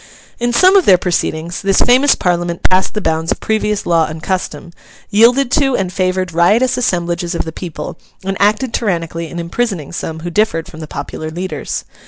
In some of their proceedings, this famous Parliament passed the bounds of previous law and custom, yielded to and favoured riotous assemblages of the people, and acted tyrannically in imprisoning some who differed from the popular leaders.